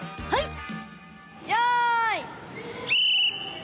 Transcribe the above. はい。